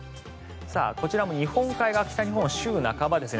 こちらも日本海側北日本、週半ばですね